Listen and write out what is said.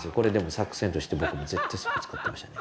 作戦として僕絶対そこ使ってましたね。